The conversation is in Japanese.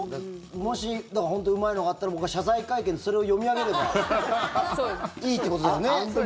もし本当にうまいのがあったら僕は謝罪会見で、それを読み上げればいいってことだね？